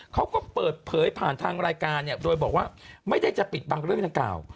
เขาก็เปิดเผยผ่านทางรายการเนี่ยโดยบอกว่าไม่ได้จะปิดบังเรื่องดังกล่าว